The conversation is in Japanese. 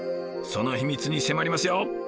その秘密に迫りますよ。